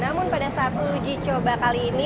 namun pada saat uji coba kali ini